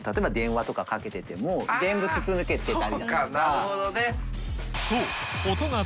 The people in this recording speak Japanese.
なるほどね。